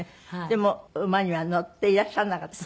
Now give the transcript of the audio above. でも馬には乗っていらっしゃらなかった？